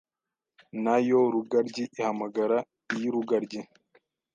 Na yo Rugaryi ihamagara iy’urugaryi